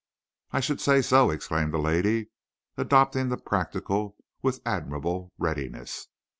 "I should say so," exclaimed the lady, adopting the practical with admirable readiness.